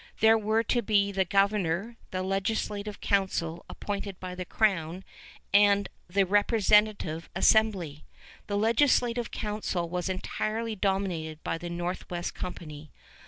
There were to be the governor, the legislative council appointed by the crown, and the representative assembly. The legislative council was entirely dominated by the Northwest Company.